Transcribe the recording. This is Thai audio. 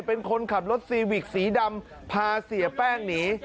เป็นคนขับรถซีวิกสีดำพาเสียแป้งหนี